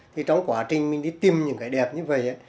thì trong quá trình mình đi tìm những cái đẹp như vậy